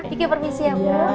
kiki permisi ya bu